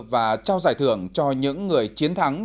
và trao giải thưởng cho những người chiến thắng